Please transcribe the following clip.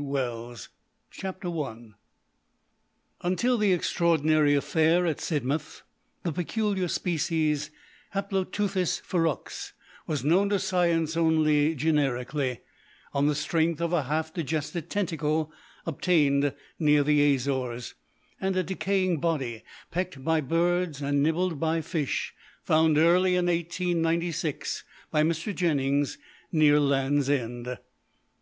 THE SEA RAIDERS I Until the extraordinary affair at Sidmouth, the peculiar species Haploteuthis ferox was known to science only generically, on the strength of a half digested tentacle obtained near the Azores, and a decaying body pecked by birds and nibbled by fish, found early in 1896 by Mr. Jennings, near Land's End.